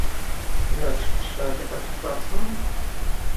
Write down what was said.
"Lecz przerwać pracę?"